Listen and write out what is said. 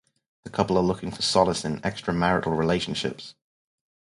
The couple are looking for solace in extramarital relationships.